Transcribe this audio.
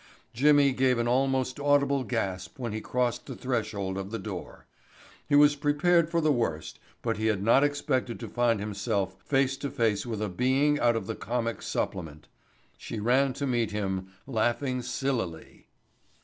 Jimmy gave an almost audible gasp when he crossed the threshold of the door. He was prepared for the worst, but he had not expected to find himself face to face with a being out of the comic supplement. She ran to meet him, laughing sillily.